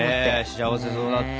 幸せそうだった。